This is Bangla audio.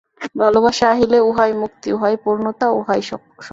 ভালবাসা আসিলে উহাই মুক্তি, উহাই পূর্ণতা, উহাই স্বর্গ।